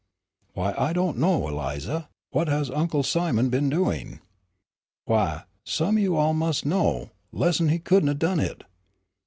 "Why, I do not know, Eliza, what has Uncle Simon been doing?" "Why, some o' you all mus' know, lessn' he couldn' 'a' done hit.